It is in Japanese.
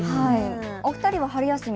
お二人は春休み